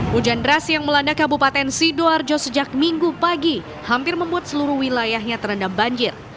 hujan deras yang melanda kabupaten sidoarjo sejak minggu pagi hampir membuat seluruh wilayahnya terendam banjir